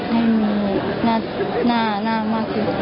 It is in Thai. ให้มีหน้าหน้ามากเลย